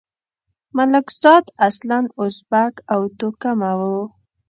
ملکزاد اصلاً ازبک توکمه وو.